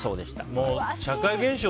社会現象